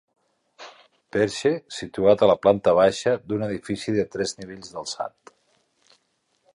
Perxe situat a la planta baixa d'un edifici de tres nivells d'alçat.